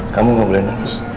kamu gak boleh nangis